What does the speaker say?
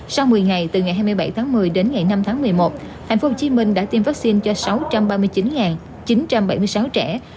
sau một mươi ngày từ ngày hai mươi bảy tháng một mươi đến ngày năm tháng một mươi một tp hcm đã tiêm vaccine cho sáu trăm ba mươi chín chín trăm bảy mươi sáu trẻ